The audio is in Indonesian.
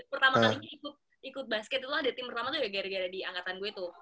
pertama kalinya ikut basket itu ada tim pertama tuh ya gara gara di angkatan gue itu